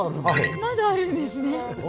まだあるんですか！